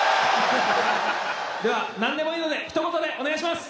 では何でもいいのでひと言でお願いします！